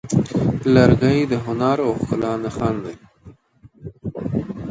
لرګی د هنر او ښکلا نښان دی.